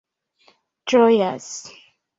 ĝojas